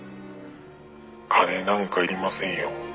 「金なんか要りませんよ」